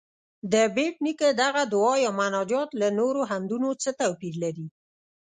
د بېټ نیکه دغه دعا یا مناجات له نورو حمدونو څه توپیر لري؟